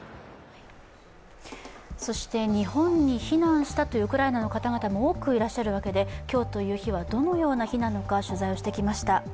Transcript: そして日本に避難したというウクライナの方々も多くおられるわけで今日という日はどのような日なのか取材をしてきました。